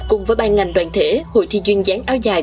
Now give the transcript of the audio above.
cùng với ban ngành đoàn thể hội thi duyên gián áo dài